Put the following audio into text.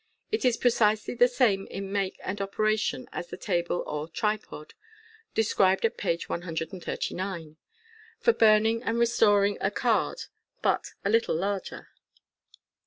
It is precisely the same in make and operation as the table or tripod, described at page 139, for burning and restoring a card, but a little larger.